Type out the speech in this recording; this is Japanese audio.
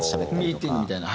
ミーティングみたいな。